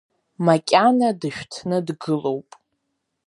Макьана дышәҭны дгылоуп.